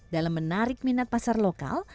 dalam menarik minat pasar lokal